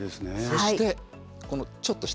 そしてこのちょっと下。